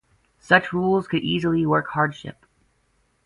Such rules could easily work hardship.